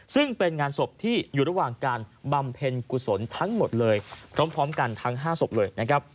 ซึ่งเป็นงานศพที่อยู่ระหว่างการบำเพ็ญกุศลทั้งหมดเลยพร้อมกันทั้ง๕ศพเลยนะครับ